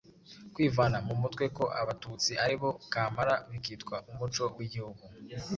Kwivana mu mutwe ko Abatutsi ari bo kamara bikitwa umuco w'igihugu